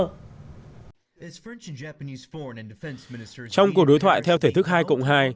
trong cuộc đối thoại theo thể thức hai cộng hai